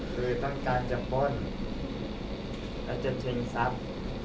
คือต้องการจะป้นแล้วจะชิงทรัพย์